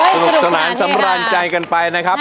สนุกสนานสำราญใจกันไปนะครับ